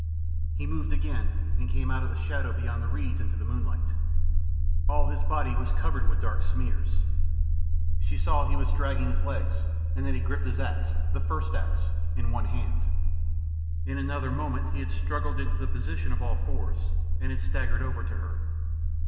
He moved again, and came out of the shadow beyond the reeds into the moonlight. All his body was covered with dark smears. She saw he was dragging his legs, and that he gripped his axe, the first axe, in one hand. In another moment he had struggled into the position of all fours, and had staggered over to her.